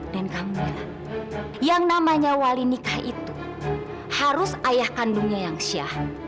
dan kamu bilang yang namanya wali nikah itu harus ayah kandungnya yang syah